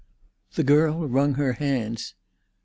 The girl wrung her hands.